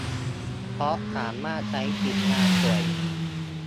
เพราะสามารถใช้สิทธิ์ลาป่วย